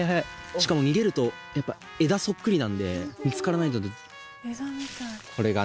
しかも逃げるとやっぱ枝そっくりなんで見つからない。